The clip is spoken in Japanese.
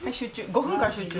５分間集中。